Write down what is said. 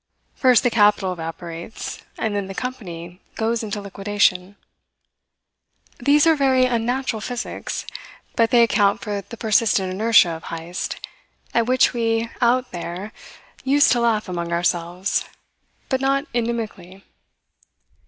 First the capital evaporates, and then the company goes into liquidation. These are very unnatural physics, but they account for the persistent inertia of Heyst, at which we "out there" used to laugh among ourselves but not inimically.